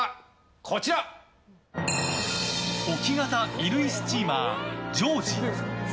置き型衣類スチーマージョージ。